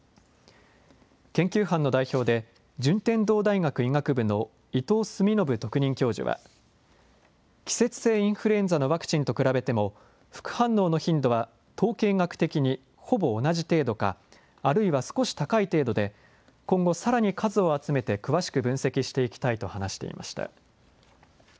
研究班の代表で順天堂大学医学部の伊藤澄信特任教授は季節性インフルエンザのワクチンと比べても副反応の頻度は統計学的にほぼ同じ程度かあるいは少し高い程度で今後、さらに数を集めて詳しく分析していきたいと話していました。